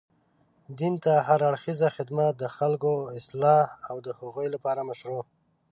دين ته هر اړخيزه خدمت، د خلګو اصلاح او د هغوی لپاره مشروع